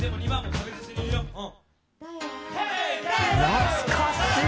懐かしい！